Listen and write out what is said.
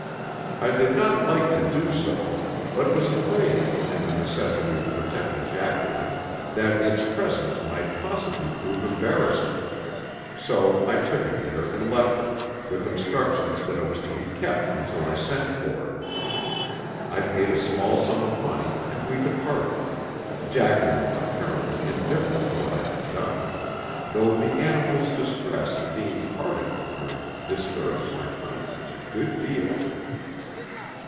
I did not like to do so, but was afraid, in the necessity of protecting Jacqueline, that its presence might possibly prove embarrassing, so I took it there and left it, with instructions that it was to be kept until I sent for it. I paid a small sum of money and we departed, Jacqueline apparently indifferent to what I had done, though the animal's distress at being parted from her disturbed my conscience a good deal.